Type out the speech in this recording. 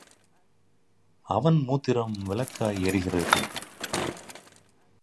அவன் மூத்திரம் விளக்காய் எரிகிறது.